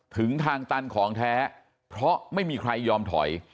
ถึงทางตันของแท้เพราะไม่มีใครยอมถอย